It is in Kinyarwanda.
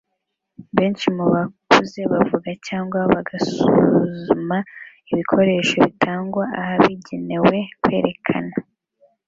Benshi mu bakuze bavugana cyangwa bagasuzuma ibikoresho bitangwa ahabigenewe kwerekana